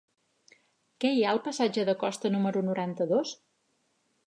Què hi ha al passatge de Costa número noranta-dos?